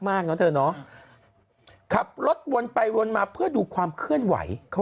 มากเนอะเธอเนาะขับรถวนไปวนมาเพื่อดูความเคลื่อนไหวเขา